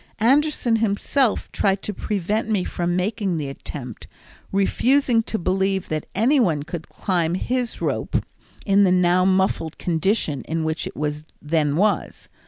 Anderson himself tried to prevent me from making the attempt, refusing to believe that any one could climb his rope in the now muffled condition in which it then was.